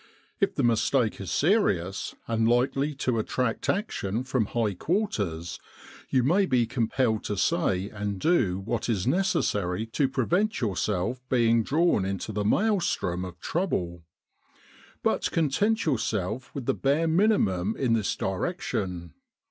If the mistake is serious and likely to attract action from high quarters, you may be com pelled to say and do what is necessary to prevent yourself being drawn into the maelstrom of trouble. Buf content yourself with the bare minimum in this direction.